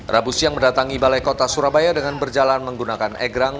rabu siang mendatangi balai kota surabaya dengan berjalan menggunakan egrang